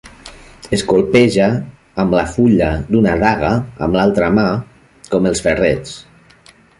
Es colpeja amb la fulla d'una daga, amb l'altra mà, com els ferrets.